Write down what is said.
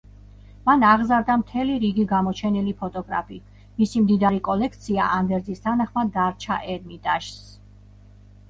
მან აღზარდა მთელი რიგი გამოჩენილი ფოტოგრაფი, მისი მდიდარი კოლექცია ანდერძის თანახმად დარჩა ერმიტაჟს.